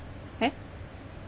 えっ。